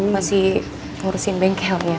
masih ngurusin bengkelnya